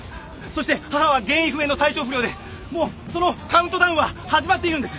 そして母は原因不明の体調不良でもうそのカウントダウンは始まっているんです。